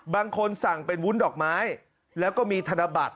บางคนสั่งเป็นวุ้นดอกไม้แล้วก็มีธนบัตร